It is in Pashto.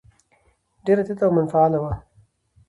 ډېره تته او منفعله ده.